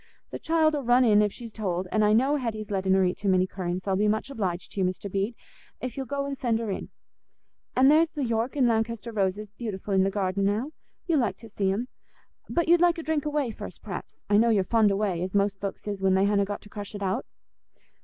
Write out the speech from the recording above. The child 'ull run in if she's told, an' I know Hetty's lettin' her eat too many currants. I'll be much obliged to you, Mr. Bede, if you'll go and send her in; an' there's the York and Lankester roses beautiful in the garden now—you'll like to see 'em. But you'd like a drink o' whey first, p'r'aps; I know you're fond o' whey, as most folks is when they hanna got to crush it out."